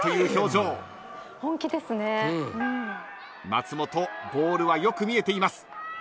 ［松本ボールはよく見えています］